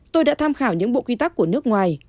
tôi đã tham khảo những bộ quy tắc của nước ngoài